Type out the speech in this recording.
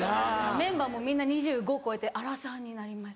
メンバーもみんな２５歳超えてアラサーになりました。